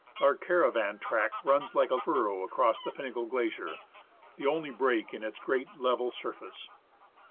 Our caravan track runs like a furrow across the Pinnacle Glacier : the only break in its great level surface.